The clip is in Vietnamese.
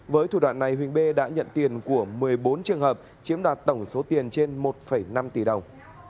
với thủ đoạn này huỳnh b đã nhận tiền của một mươi bốn trường hợp chiếm đoạt tổng số tiền trên một năm tỷ đồng